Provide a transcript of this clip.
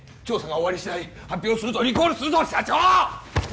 調査が終わりしだい発表するとリコールすると社長！